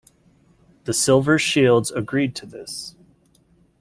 The Silver Shields agreed to this.